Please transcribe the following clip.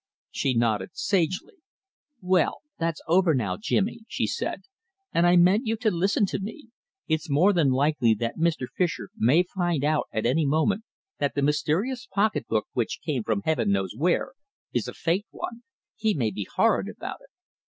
She nodded sagely. "Well, that's over now, Jimmy," she said, "and I meant you to listen to me. It's more than likely that Mr. Fischer may find out at any moment that the mysterious pocketbook, which came from heaven knows where, is a faked one. He may be horrid about it."